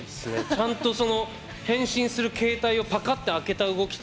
ちゃんと変身する携帯をパカッて開けた動き